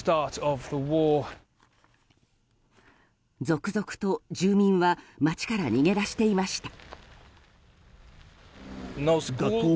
続々と住民は街から逃げ出していました。